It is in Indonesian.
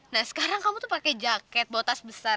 nah sekarang kamu tuh pake jaket bawa tas besar